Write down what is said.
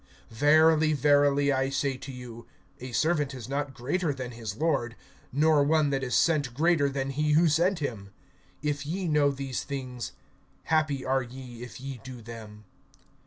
(16)Verily, verily, I say to you, a servant is not greater than his lord, nor one that is sent[13:16] greater than he who sent him. (17)If ye know these things, happy are ye if ye do them.